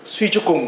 suy cho cùng